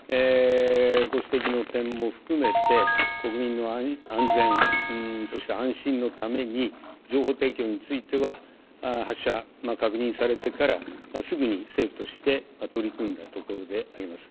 ご指摘の点も含めて国民の安全、安心のために情報提供については発射が確認されてからすぐに政府として取り組むところであります。